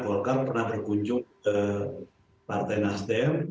karena golkar pernah berkunjung ke partai nasdem